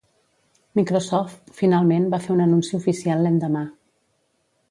Microsoft finalment va fer un anunci oficial l'endemà.